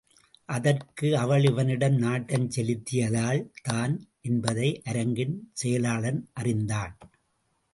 அதற்கு அவள் இவனிடம் நாட்டம் செலுத்தியதால் தான் என்பதை அரங்கின் செயலாளன் அறிந்தான்.